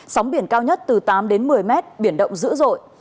sóng biển cao nhất từ tám đến một mươi mét biển động dữ dội